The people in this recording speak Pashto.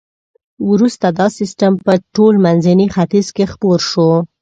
وروسته دا سیستم په ټول منځني ختیځ کې خپور شو.